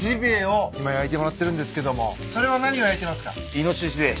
イノシシです。